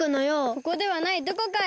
ここではないどこかへ！